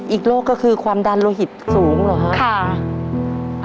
อีกโรคก็คือความดันโลหิตสูงเหรอครับ